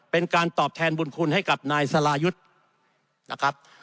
เป็นการตอบแทนบุญคุณให้กับนายสรายุทธ์นะครับ